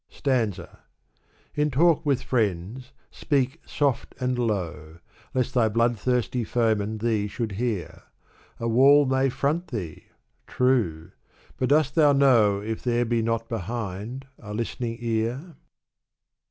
Stanza, In talk with fiiends speak soft and low, Lest thy bloodthirsty foeman thee should hear : A wall may front thee — true ! but dost thou know If there be not behind a listening ear?